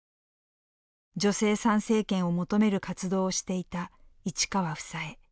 女性参政権を求める活動をしていた市川房枝。